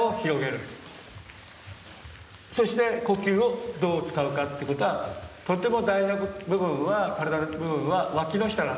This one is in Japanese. そして呼吸をどう使うかってことはとても大事な部分は身体の部分はわきの下なんです。